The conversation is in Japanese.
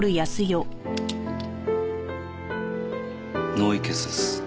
脳溢血です。